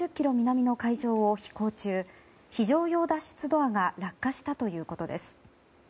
南の海上を飛行中非常用脱出ドアが落下したということです。